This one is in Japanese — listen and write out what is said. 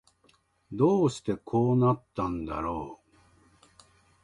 どうしてこうなったんだろう